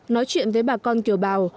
nói chuyện với bà con kiều bào